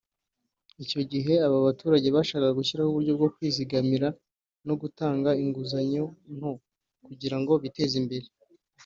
Icyo gihe aba baturage bashakaga gushyiraho uburyo bwo kwizigamira no gutanga inguzanyo nto kugira ngo biteze imbere